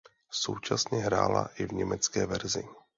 Současně hrála i v německé verzi.